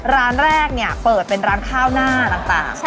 ร้านแรกเนี่ยเปิดเป็นร้านข้าวหน้าต่าง